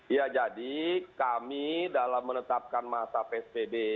ya jadi kami dalam menetapkan masa psbb